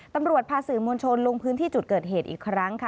ตำรวจพาสื่อมวลชนลงพื้นที่จุดเกิดเหตุอีกครั้งค่ะ